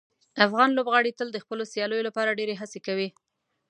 افغان لوبغاړي تل د خپلو سیالیو لپاره ډیرې هڅې کوي.